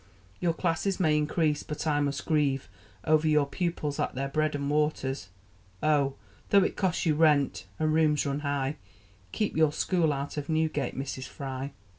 Your classes may increase, but I must grieve Over your pupils at their bread and waters! Oh, though it cost you rent (and rooms run high) Keep your school out of Newgate, Mrs Fry!